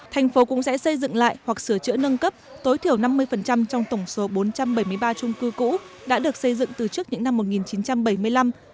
thành phố cũng sẽ xây dựng lại hoặc sửa chữa nâng cấp tối thiểu năm mươi trong tổng số bốn trăm bảy mươi ba trung cư cũ đã được xây dựng từ trước những năm một nghìn chín trăm bảy mươi năm